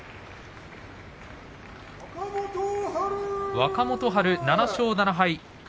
若元春７勝７敗